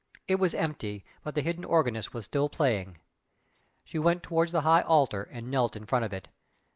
It was empty, but the hidden organist was still playing. She went towards the High Altar and knelt in front of it.